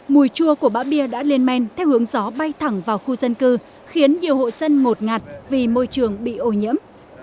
mùi chua của bã bia đã lên men theo hướng gió bay thẳng vào khu dân cư khiến nhiều hội dân ngột ngạt vì môi trường bị ô nhiễm